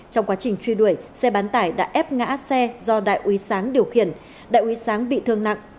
trong quá trình truy đuổi xe bán tải đã ép ngã xe do đại úy sáng điều khiển đại úy sáng bị thương nặng